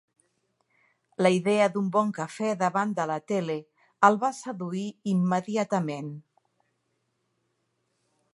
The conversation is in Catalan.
La idea d'un bon cafè davant de la tele el va seduir immediatament.